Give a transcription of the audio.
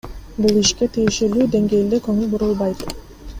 Бул ишке тиешелуу денгээлде конул бурулбайт.